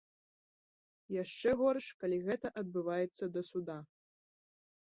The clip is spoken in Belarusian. Яшчэ горш, калі гэта адбываецца да суда.